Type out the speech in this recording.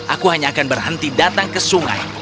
aku hanya akan berhenti datang ke sungai